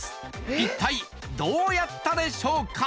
一体どうやったでしょうか？